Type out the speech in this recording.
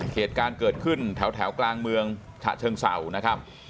เหตุการณ์เกิดขึ้นแถวกลางเมืองฉะเชิงเศร้านะครับ